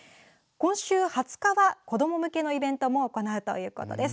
今週２０日は、子ども向けのイベントも行うということです。